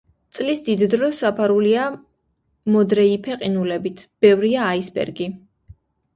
წლის დიდ დროს დაფარულია მოდრეიფე ყინულებით, ბევრია აისბერგი.